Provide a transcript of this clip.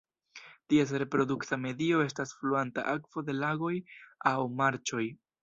Ties reprodukta medio estas fluanta akvo de lagoj aŭ marĉoj.